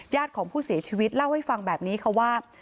ของผู้เสียชีวิตเล่าให้ฟังแบบนี้ค่ะว่า